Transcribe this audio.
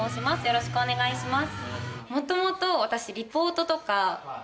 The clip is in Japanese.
よろしくお願いします。